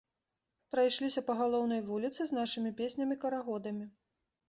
Прайшліся па галоўнай вуліцы з нашымі песнямі-карагодамі.